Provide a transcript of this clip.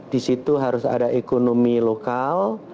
di situ harus ada ekonomi lokal